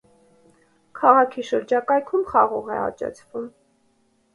Քաղաքի շրջակայքում խաղող է աճեցվում։